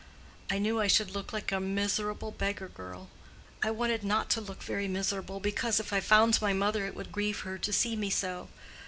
I knew I should look like a miserable beggar girl. I wanted not to look very miserable, because if I found my mother it would grieve her to see me so.